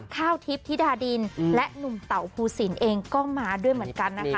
ข้าวทิพย์ธิดาดินและหนุ่มเต่าภูสินเองก็มาด้วยเหมือนกันนะคะ